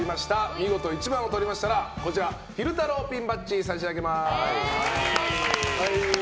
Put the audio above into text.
見事１番をとりましたら昼太郎ピンバッジを差し上げます。